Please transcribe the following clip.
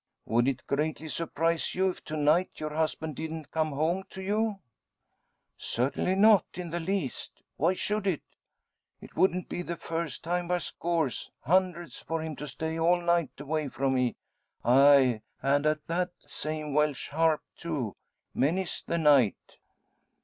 "Would it greatly surprise you, if to night your husband didn't come home to you?" "Certainly not in the least. Why should it? It wouldn't be the first time by scores hundreds for him to stay all night away from me. Aye, and at that same Welsh Harp, too many's the night."